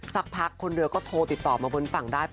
สักพักคนเรือก็โทรติดต่อมาบนฝั่งได้